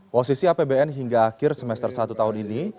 posisi apbn hingga akhir semester satu tahun ini